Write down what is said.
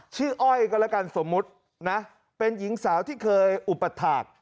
ชื่ออ้อยกันแล้วกันสมมุตินะเป็นหญิงสาวที่เคยอุปัติฐาตร